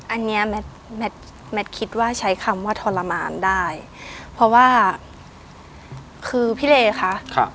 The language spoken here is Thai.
อันนี้แมทแมทคิดว่าใช้คำว่าทรมานได้เพราะว่าคือพี่เลคะ